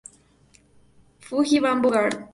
Fuji Bamboo Gard.